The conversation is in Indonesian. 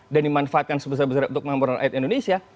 dan dimanfaatkan sebesar besar untuk pengorbanan air indonesia